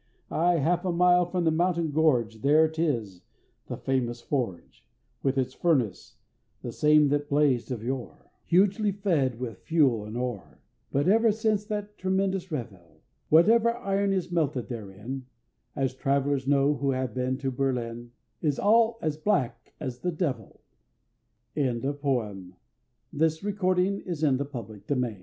Ay, half a mile from the mountain gorge, There it is, the famous Forge, With its Furnace, the same that blazed of yore, Hugely fed with fuel and ore; But ever since that tremendous Revel, Whatever Iron is melted therein, As Travellers know who have been to Berlin Is all as black as the Devil! THE UNIVERSITY FEUD. "A plague o' bot